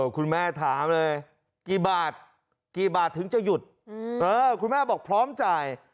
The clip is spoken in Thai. คุณแม่ถามเลยกี่บาทกี่บาทถึงจะหยุดคุณแม่บอกพร้อมจ่าย